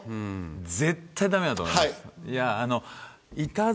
絶対駄目だと思います。